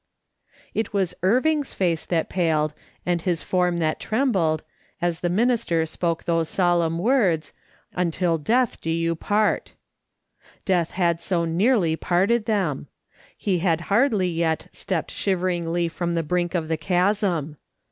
It was Irving's face that paled, and his form that trembled, as the minister spoke these solemn words :" Until death do you part I " Death had so nearly parted them ! He had hardly yet stepped shiver ingly from the brink of the chasm.